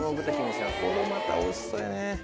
これまたおいしそうやね。